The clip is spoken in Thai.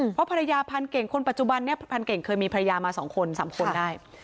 เพราะภรรยาพันเก่งคนปัจจุบันนี้พันเก่งเคยมีภรรยามา๒คน๓คนได้